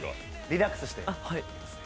リラックスして。